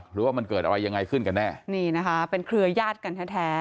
หรือว่ามันเกิดอะไรยังไงขึ้นกันแน่นี่นะคะเป็นเครือญาติกันแท้แท้